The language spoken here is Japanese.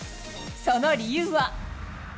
その理由は。